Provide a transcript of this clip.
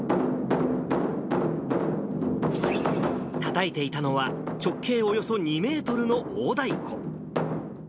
たたいていたのは、直径およそ２メートルの大太鼓。